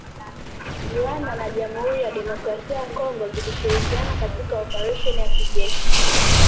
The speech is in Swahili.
Rwanda na Jamhuri ya kidemokrasia ya Kongo zilishirikiana katika operesheni ya kijeshi